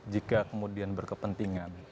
jika kemudian berkepentingan